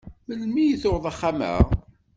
Melmi i tuɣeḍ axxam-a?